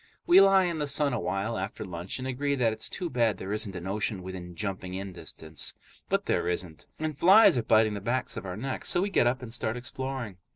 We lie in the sun awhile after lunch and agree that it's too bad there isn't an ocean within jumping in distance. But there isn't, and flies are biting the backs of our necks, so we get up and start exploring.